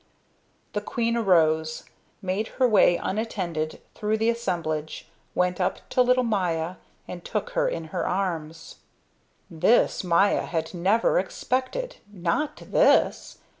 The queen arose, made her way unattended through the assemblage, went up to little Maya and took her in her arms. This Maya had never expected, not this.